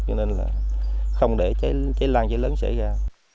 cho nên là không để cháy lan cháy lớn xảy ra